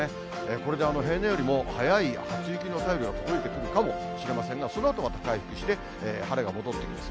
これで平年よりも早い初雪の便りが届いてくるかもしれませんが、そのあとはまた回復して、晴れが戻ってきます。